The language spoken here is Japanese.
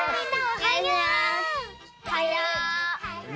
おはよう！